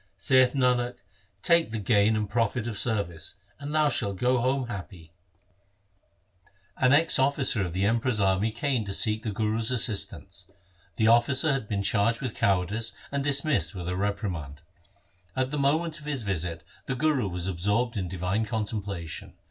Saith Nanak, take the gain and profit of service, and thou shalt go home happy. 1 1 Sarang. H2 100 THE SIKH RELIGION An ex officer of the Emperor's army came to seek the Guru's assistance. The officer had been charged with cowardice and dismissed with a reprimand. At the moment of his visit the Guru was absorbed in divine contemplation.